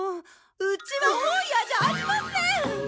うちは本屋じゃありません！